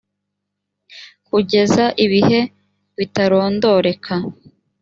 kugeza ibihe bitarondoreka